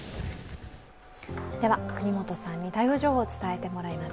國本さんに台風情報を伝えてもらいます。